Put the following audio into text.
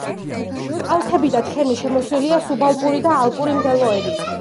კალთები და თხემი შემოსილია სუბალპური და ალპური მდელოებით.